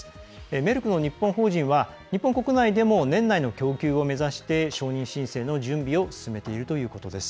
メルクの日本法人は日本国内でも年内の供給を目指して承認申請の準備を進めているということです。